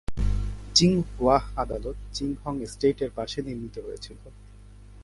চিং Wah আদালত Ching Hong এস্টেটের পাশে নির্মিত হয়েছিল।